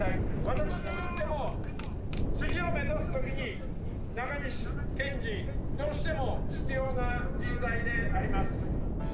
私にとっても、次を目指すときに、中西健治、どうしても必要な人材であります。